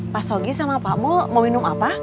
pak sogi sama pak mul mau minum apa